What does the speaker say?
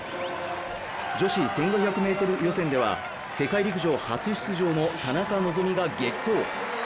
女子１５００ｍ予選では、世界陸上初出場の田中希実が激走。